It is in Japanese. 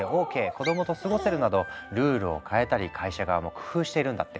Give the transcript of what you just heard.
「子どもと過ごせる」などルールを変えたり会社側も工夫しているんだって。